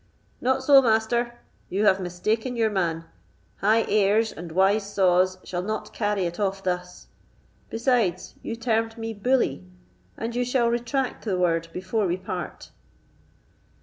"Not so, Master, you have mistaken your man; high airs and wise saws shall not carry it off thus. Besides, you termed me bully, and you shall retract the word before we part."